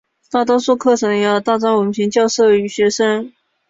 大多数课程也有大专文凭授予学生。